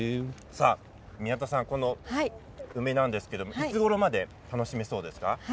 宮田さん、梅なんですがいつごろまで楽しめそうですか？